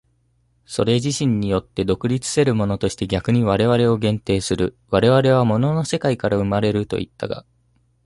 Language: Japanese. それ自身によって独立せるものとして逆に我々を限定する、我々は物の世界から生まれるといったが、